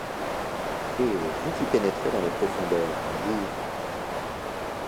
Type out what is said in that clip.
Et, vous qui pénétrez dans les profondeurs, vous